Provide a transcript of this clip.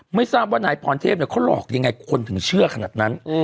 ไม่ทราบว่านายพรเทพเขาหลอกยังไงคนถึงเชื่อขนาดนั้น